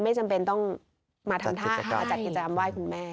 ไม่จำเป็นต้องมาทำท่ามาจัดกิจกรรมไหว้คุณแม่